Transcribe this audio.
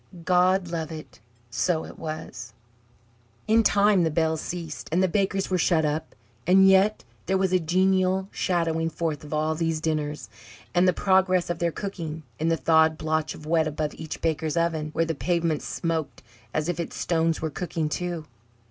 God love it, so it was! In time the bells ceased, and the bakers were shut up; and yet there was a genial shadowing forth of all these dinners, and the progress of their cooking, in the thawed blotch of wet above each baker's oven, where the pavement smoked as if its stones were cooking too.